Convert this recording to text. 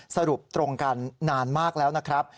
สรุปตรงกันนานมากแล้วนะครับ